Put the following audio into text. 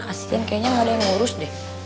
kasian kayaknya gak ada yang ngurus deh